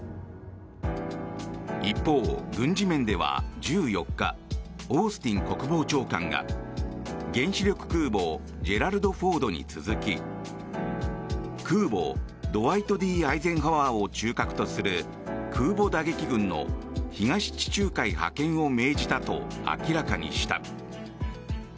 一方、軍事面では１４日オースティン国防長官が原子力空母「ジェラルド・フォード」に続き空母「ドワイト・Ｄ・アイゼンハワー」を中核とする空母打撃群の東地中海派遣を命じたと明らかにした。